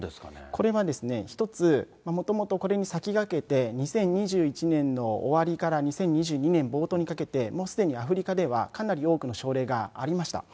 これは一つ、もともとこれに先駆けて、２０２１年の終わりから２０２２年冒頭にかけて、もうすでにアフリカでは、かなり多くの症例がありました。